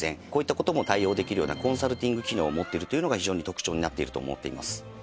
こういった事も対応できるようなコンサルティング機能を持っているというのが非常に特徴になっていると思っています。